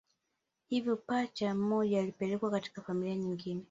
Hivyo pacha mmoja alipelekwa katika familia nyingine